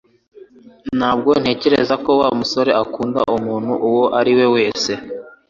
Ntabwo ntekereza ko Wa musore akunda umuntu uwo ari we wese